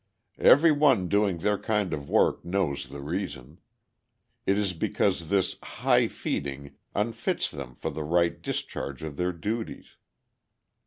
Every one doing their kind of work knows the reason. It is because this "high feeding" unfits them for the right discharge of their duties.